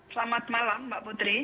selamat malam mbak putri